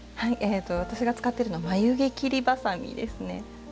私が使ってるのは眉毛切りバサミですね。